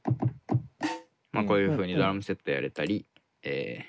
こういうふうにドラムセットやれたり。